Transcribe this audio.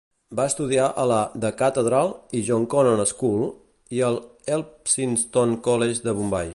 Va estudiar a la The Cathedral i John Connon School i al Elphinstone College de Bombai.